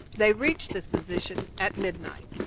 They reached this position at midnight.